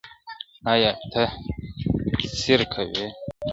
ايا ته سیر کوې.